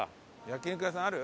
焼肉屋さんある？